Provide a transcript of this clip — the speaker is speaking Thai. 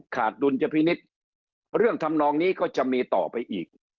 ดุลยพินิษฐ์เรื่องทำนองนี้ก็จะมีต่อไปอีก